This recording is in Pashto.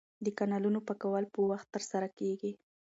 د کانالونو پاکول په وخت ترسره کیږي.